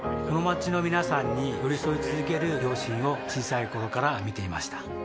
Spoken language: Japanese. この街の皆さんに寄り添い続ける両親を小さい頃から見ていました